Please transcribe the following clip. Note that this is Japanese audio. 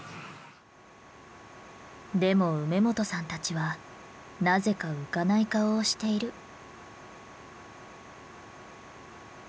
でも梅元さんたちはなぜか浮かない顔をしている。